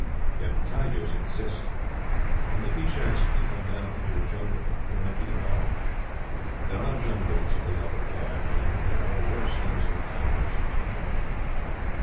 Yet tigers exist, and if he chanced to come down into a jungle he might be devoured. There are jungles of the upper air, and there are worse things than tigers which inhabit them.